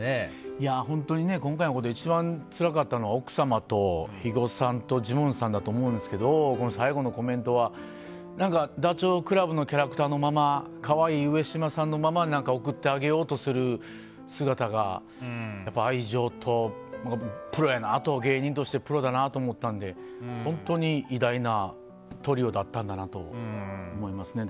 本当に今回のこと一番つらかったのは奥様と肥後さんとジモンさんだと思うんですけど最後のコメントはダチョウ倶楽部のキャラクターのまま可愛い上島さんのまま送ってあげようとする姿が愛情と、芸人としてプロやなと思ったんで本当に偉大なトリオだったんだなと思いますね